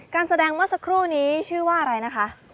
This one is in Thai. การแสดงเมื่อสักครู่นี้ชื่อว่าอะไรนะคะ